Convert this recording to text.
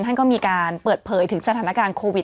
ท่านก็มีการเปิดเผยถึงสถานการณ์โควิด